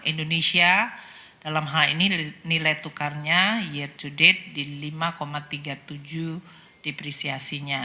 indonesia dalam hal ini nilai tukarnya year to date di lima tiga puluh tujuh depresiasinya